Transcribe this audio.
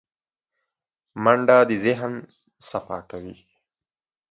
منډه د ذهن صفا کوي